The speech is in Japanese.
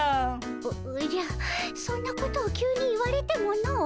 おおじゃそんなことを急に言われてもの。